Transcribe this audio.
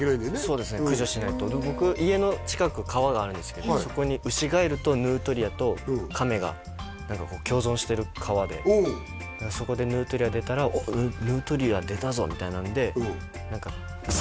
そうですね駆除しないとで僕家の近く川があるんですけどそこにが何かこう共存してる川でだからそこでヌートリア出たら「おっヌートリア出たぞ！」みたいなんで何かええ何？